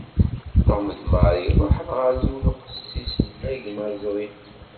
Tom d Mary ruḥen ɣer yiwen uqussis agmaẓri.